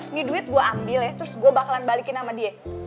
ini duit gue ambil ya terus gue bakalan balikin sama dia